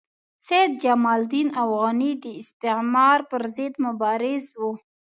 سید جمال الدین افغاني د استعمار پر ضد مبارز وو.